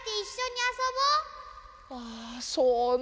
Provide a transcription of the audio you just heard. ああそうね。